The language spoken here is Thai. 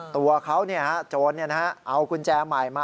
ตัวเขาเนี่ยโจรเนี่ยนะเอากุญแจใหม่มา